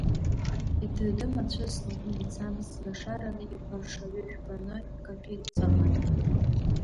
Идыды-мацәысны, имцабз лашараны, иқәаршаҩы шәпаны икаҭәеит ҵаҟа.